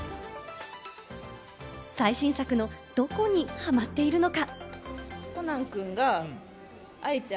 最新作のどこにハマっているのか？